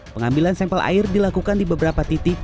pengambilan sampel air dilakukan di beberapa titik